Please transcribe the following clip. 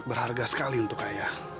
terima kasih ayah